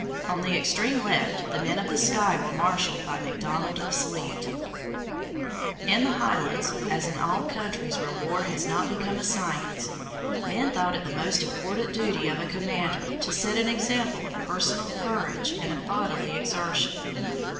On the extreme left, the men of Sky were marshalled by Macdonald of Sleat, In the Highlands, as in all countries where war has not become a science, men thought it the most important duty of a commander to set an example of personal courage and of bodily exertion.